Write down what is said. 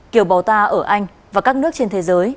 kiều bào ta ở anh và các nước trên thế giới